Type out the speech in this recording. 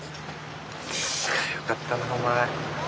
よかったなお前。